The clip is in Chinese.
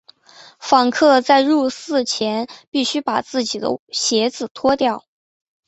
访客在入寺前必须把自己的鞋子脱掉。